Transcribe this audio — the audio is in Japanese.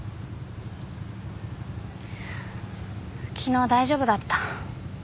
昨日大丈夫だった。